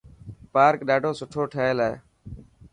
پارڪ ڏاڌو سٺو ٺهيل هي.